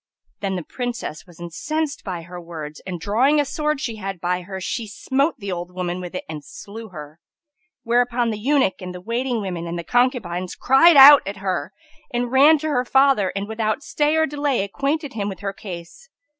Then the Princess was incensed by her words and, drawing a sword she had by her, she smote the old woman with it and slew her;[FN#281] whereupon the eunuch and the waiting women and the concubines cried out at her, and ran to her father and, without stay or delay, acquainted him with her case.